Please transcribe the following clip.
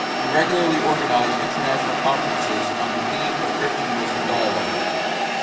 He regularly organized international conferences on the theme of Christian-Muslim dialogue.